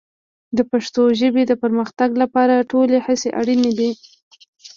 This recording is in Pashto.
د پښتو ژبې د پرمختګ لپاره ټولې هڅې اړین دي.